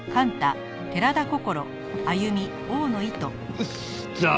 よしじゃあ